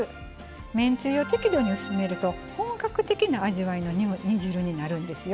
めんつゆを適度に薄めると本格的な味わいの煮汁になるんですよ。